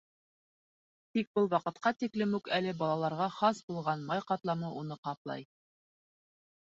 Тик был ваҡытҡа тиклем үк әле балаларға хас булған май ҡатламы уны ҡаплай.